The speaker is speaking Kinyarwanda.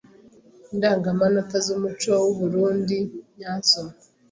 Indangamanota z’umuco w’u Burunndi nyazo.